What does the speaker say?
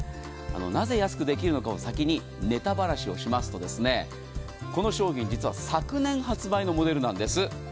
なぜ安くできるのかを先にネタばらしをしますとこの商品実は昨年発売のモデルなんです。